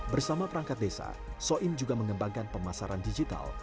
bersama perangkat desa soim juga mengembangkan pemasaran digital